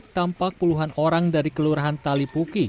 tampak puluhan orang dari kelurahan talipuki